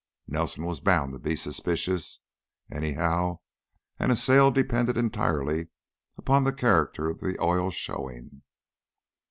Nelson was bound to be suspicious, anyhow, and a sale depended entirely upon the character of the oil showing.